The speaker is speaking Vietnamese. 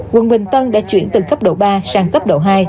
quận bình tân đã chuyển từ cấp độ ba sang cấp độ hai